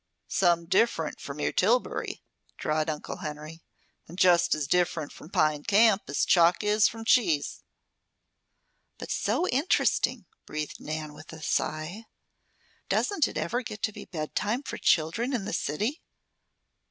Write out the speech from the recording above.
"Some different from your Tillbury," drawled Uncle Henry. "And just as different from Pine Camp as chalk is from cheese." "But so interesting!" breathed Nan, with a sigh. "Doesn't it ever get to be bedtime for children in the city?"